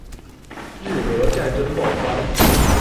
日俄战争爆发